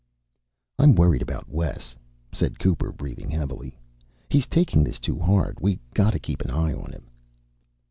"I'm worried about Wes," said Cooper, breathing heavily. "He's taking this too hard. We got to keep an eye on him."